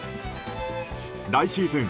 来シーズン